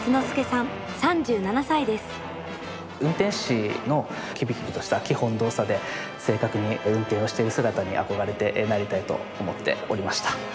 運転士のキビキビとした基本動作で正確に運転をしてる姿に憧れてなりたいと思っておりました。